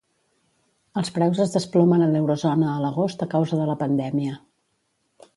Els preus es desplomen a l'Eurozona a l'agost a causa de la pandèmia.